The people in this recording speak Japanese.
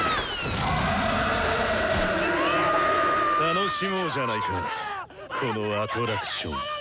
楽しもうじゃないかこのアトラクション。